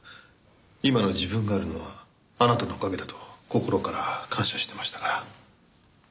今の自分があるのはあなたのおかげだと心から感謝してましたから。